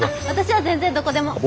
私は全然どこでも！